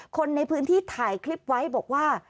คนในพื้นที่ถ่ายคลิปไว้บอกว่า